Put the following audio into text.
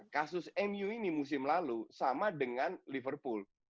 kasus mu ini musim lalu sama dengan liverpool